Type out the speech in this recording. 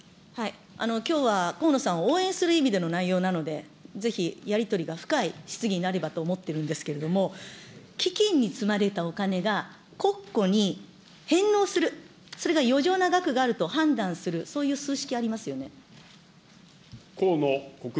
きょうは河野さんを応援する意味での内容なので、ぜひやり取りが深い質疑になればと思ってるんですけれども、基金に積まれたお金が国庫に返納する、それが余剰な額があると判断する、そういう数式ありますよね。